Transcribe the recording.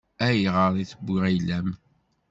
Ayɣer i tewwi ayla-m?